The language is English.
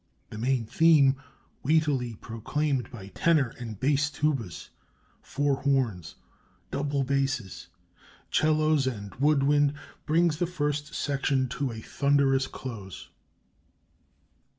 The main theme, weightily proclaimed by tenor and bass tubas, four horns, double basses, 'cellos, and wood wind, brings the first section to a thunderous close.